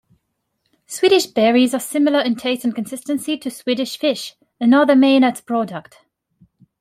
Swedish Berries are similar in taste and consistency to Swedish Fish, another Maynards product.